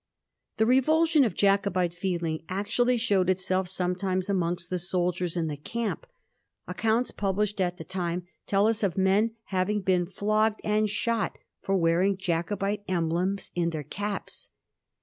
The revulsion of Jacobite feeling actually showed itself sometimes amongst the soldiers in the camp. Accounts pub lished at the time tell us of men having been flogged and shot for wearing Jacobite emblems in their caps.